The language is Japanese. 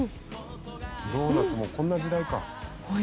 「ドーナツもこんな時代か」